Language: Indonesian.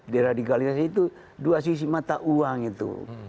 di radikalisasi itu dua sisi mata uang itu